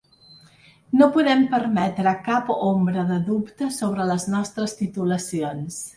No podem permetre cap ombra de dubte sobre les nostres titulacions.